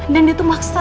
dan dia tuh maksa